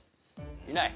いない？